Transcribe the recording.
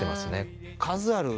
数ある。